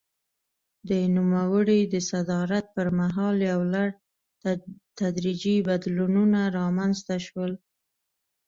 د نوموړي د صدارت پر مهال یو لړ تدریجي بدلونونه رامنځته شول.